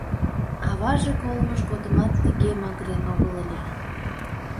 Аваже колымыж годымат тыге магырен огыл ыле.